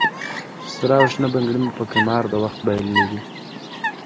سره او شنه بنګړي مې په قمار د وخت بایللې دي